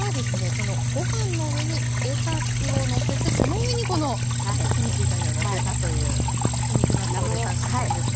そのご飯の上にレタスをのせてその上にこのひき肉炒めをのせたというひき肉納豆レタス丼ですね。